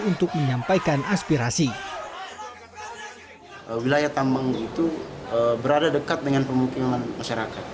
untuk menyampaikan aspirasi wilayah tambang itu berada dekat dengan pemukiman masyarakat